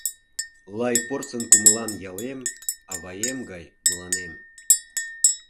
Лай порсын кумылан ялем Аваем гай мыланем.